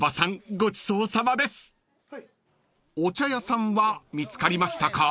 ［お茶屋さんは見つかりましたか？］